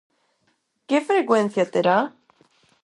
Que frecuencia terá?